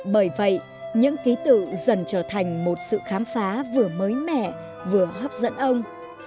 bởi vậy những ký tự dần trở thành một sự khám phá vừa mới mẻ vừa hấp dẫn ông